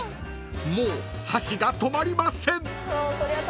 ［もう箸が止まりません］